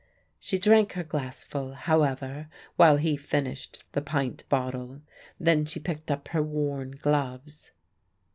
She drank her glassful, however, while he finished the pint bottle. Then she picked up her worn gloves.